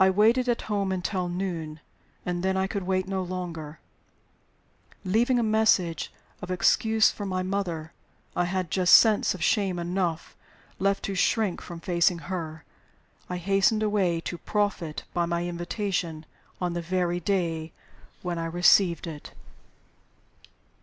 I waited at home until noon, and then I could wait no longer. Leaving a message of excuse for my mother (I had just sense of shame enough left to shrink from facing her), I hastened away to profit by my invitation on the very day when I received it.